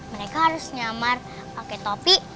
mereka harus nyamar pakai topi